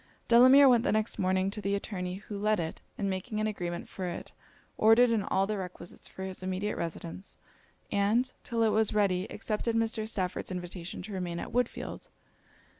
Delamere went the next morning to the attorney who let it; and making an agreement for it, ordered in all the requisites for his immediate residence; and, till it was ready, accepted Mr. Stafford's invitation to remain at Woodfield.